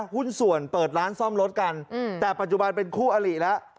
หุ้นส่วนเปิดร้านซ่อมรถกันแต่ปัจจุบันเป็นคู่อลิแล้ว